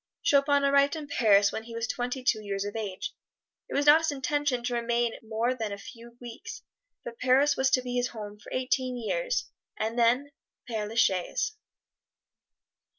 Chopin arrived in Paris when he was twenty two years of age. It was not his intention to remain more than a few weeks, but Paris was to be his home for eighteen years and then Pere la Chaise.